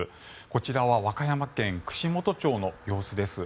こちらは和歌山県串本町の様子です。